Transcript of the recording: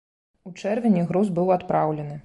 У чэрвені груз быў адпраўлены.